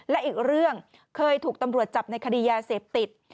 และอีกเรื่องเคยถูกตำรวจจับในคดียาเสพติด